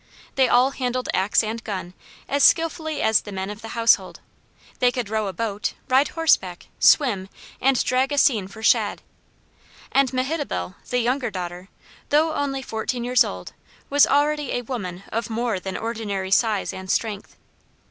They all handled axe and gun as skillfully as the men of the household; they could row a boat, ride horseback, swim, and drag a seine for shad; and Mehitabel, the younger daughter, though only fourteen years old, was already a woman of more than ordinary size and strength.